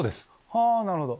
はぁなるほど。